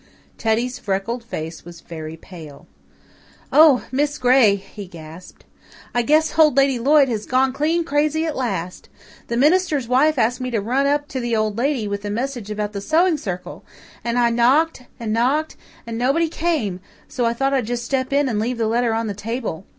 Teddy's freckled face was very pale. "Oh, Miss Gray!" he gasped. "I guess Old Lady Lloyd has gone clean crazy at last. The minister's wife asked me to run up to the Old Lady, with a message about the Sewing Circle and I knocked and knocked and nobody came so I thought I'd just step in and leave the letter on the table.